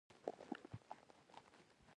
علي د لږ ځمکې تر لاسه کولو لپاره خپل ضمیر خرڅ کړ.